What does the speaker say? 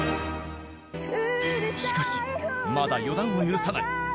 しかしまだ予断を許さない。